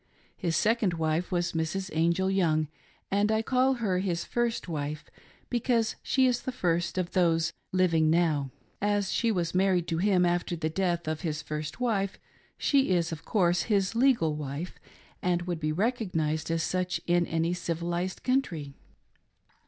His second wife was Mrs. Angell Young ; and I call her his first wife because she is the first of those living now. As she was married to him after the death of his first wife, she is, of course, his legal wife, and would be recognised as such in any civilised country.